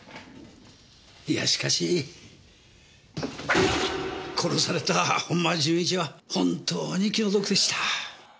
いやしかし殺された本間順一は本当に気の毒でした。